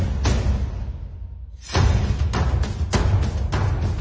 แต่ก็ไม่รู้ว่าจะมีใครอยู่ข้างหลัง